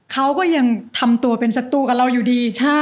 เขาก็ยังทำตัวเป็นศัตรูกับเราอยู่ดี